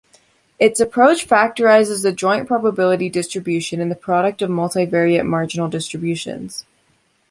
Its approach factorizes the joint probability distribution in the product of multivariate marginal distributions.